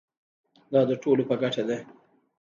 دا د ټولو په ګټه ده.